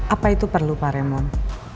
apa itu perlu pak remo